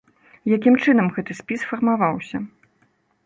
Якім чынам гэты спіс фармаваўся?